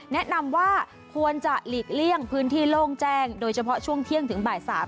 แนะนำว่าควรจะหลีกเลี่ยงพื้นที่โล่งแจ้งโดยเฉพาะช่วงเที่ยงถึงบ่าย๓